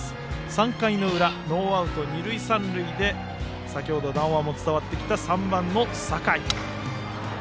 ３回裏、ノーアウト、二塁三塁で先程、談話も伝わってきた３番の酒井。